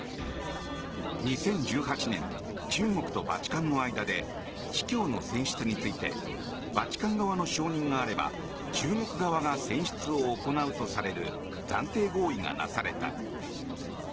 ２０１８年中国とバチカンの間で司教の選出についてバチカン側の承認があれば中国側が選出を行うとされる暫定合意がなされた。